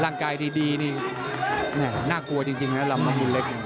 ร่างกายดีนี่แม่น่ากลัวจริงนะลำน้ำมูลเล็ก